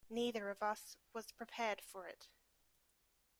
Neither of us was prepared for it.